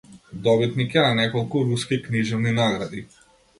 Добитник е на неколку руски книжевни награди.